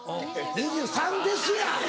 「２３です」や！